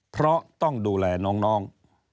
เพราะต้องดูแลน้อง